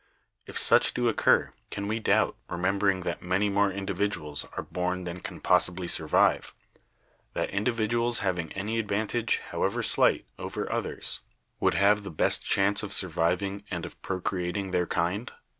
If such do occur, can we doubt (remembering that many more individuals are born than can possibly survive) that individuals having any advantage, however slight, over others, would have the best chance of surviving and of procreating their kind?